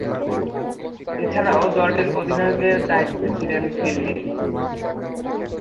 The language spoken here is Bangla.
এছাড়াও দলটির অধিনায়কের দায়িত্বে ছিলেন ফিল নীল।